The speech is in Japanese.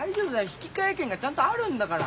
引換券がちゃんとあるんだから。